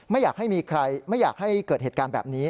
ไม่อยากให้มีใครไม่อยากให้เกิดเหตุการณ์แบบนี้